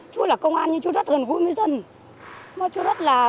chú là công an nhưng chú rất gần gũi với dân